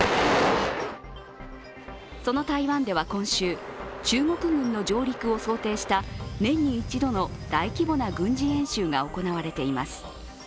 その台湾では今週、中国軍の上陸を想定した年に一度の大規模な軍事演習が行われています。